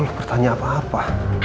belum bertanya apa apa